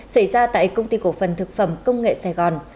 xảy ra tại công ty cổ phần thực phẩm công nghệ sài gòn